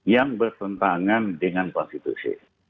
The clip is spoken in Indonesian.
yang bertentangan dengan konstitusi